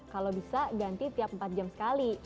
kalau bisa ganti tiap empat jam sekali